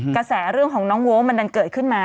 กระแสเรื่องของน้องโว๊คมันดันเกิดขึ้นมา